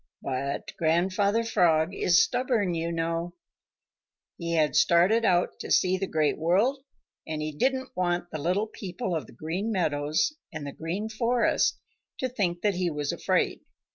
But Grandfather Frog is stubborn, you know. He had started out to see the Great World, and he didn't want the little people of the Green Meadows and the Green Forest to think that he was afraid.